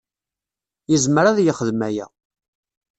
Yezmer ad yexdem aya.